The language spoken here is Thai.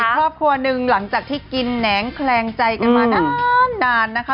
ครอบครัวหนึ่งหลังจากที่กินแหนงแคลงใจกันมานานนะคะ